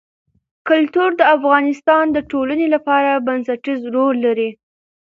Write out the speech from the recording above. کلتور د افغانستان د ټولنې لپاره بنسټيز رول لري.